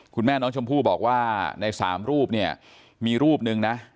คุณแม่น้องชมพู่บอกว่าใน๓รูปเนี่ยมีรูปหนึ่งนะ